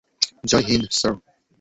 জয় হিন্দ, স্যার!